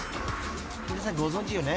［皆さんご存じよね？